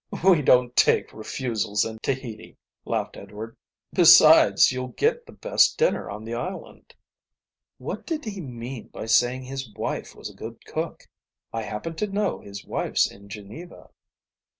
"We don't take refusals in Tahiti," laughed Edward. "Besides, you'll get the best dinner on the island." "What did he mean by saying his wife was a good cook? I happen to know his wife's in Geneva."